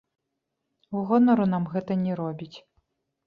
Гонару нам гэта не робіць.